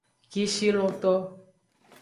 Kishilonto.